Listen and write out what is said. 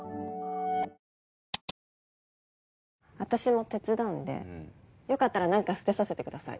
私も手伝うんでよかったら何か捨てさせてください。